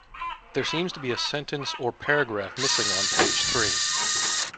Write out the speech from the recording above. There seems to be a sentence or paragraph missing on page three.